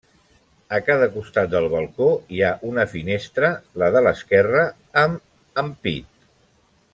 A cada costat del balcó, hi ha una finestra, la de l'esquerra amb ampit.